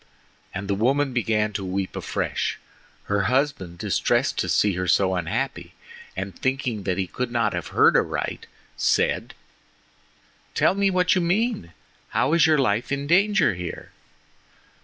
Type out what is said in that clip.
And the woman began to weep afresh. Her husband, distressed to see her so unhappy, and thinking that he could not have heard aright, said: "Tell me what you mean! How is your life in danger here?"